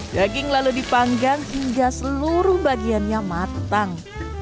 daging lalu dipanggang hingga seluruh bagiannya matang